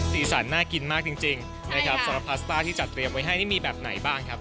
สีสันน่ากินมากจริงนะครับสำหรับพาสต้าที่จัดเตรียมไว้ให้นี่มีแบบไหนบ้างครับ